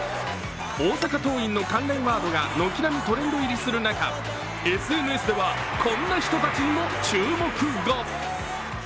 大阪桐蔭の関連ワードが軒並みトレンド入りする中、ＳＮＳではこんな人たちにも注目が。